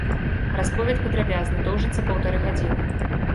Расповед падрабязны, доўжыцца паўтары гадзіны.